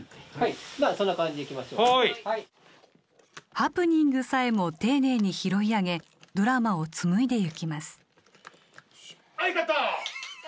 ハプニングさえも丁寧に拾い上げドラマを紡いでいきます・